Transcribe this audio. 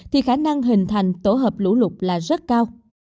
thì khả năng hình thành tổ hợp lũ lục là rất cao